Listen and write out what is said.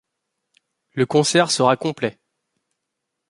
Le concert sera complet.